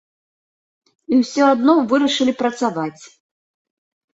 І ўсё адно вырашылі працаваць.